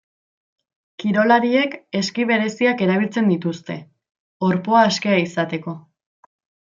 Kirolariek eski bereziak erabiltzen dituzte, orpoa askea izateko.